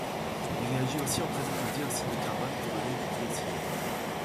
Il réagit aussi en présence de dioxyde de carbone pour donner du dioxygène.